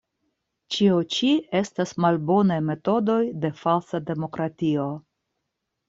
Ĉio ĉi estas malbonaj metodoj de falsa demokratio.